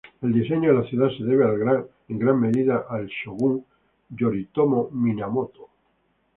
El diseño de la ciudad se debe en gran medida al shōgun Yoritomo Minamoto.